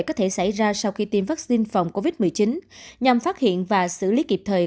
có thể xảy ra sau khi tiêm vaccine phòng covid một mươi chín nhằm phát hiện và xử lý kịp thời